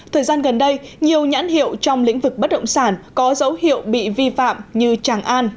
thời gian gần đây nhiều nhãn hiệu trong lĩnh vực bất động sản có dấu hiệu bị vi phạm